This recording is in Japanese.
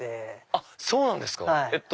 あっそうなんですか！